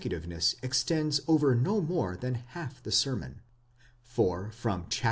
tiveness extends over no more than half the sermon, for from vi.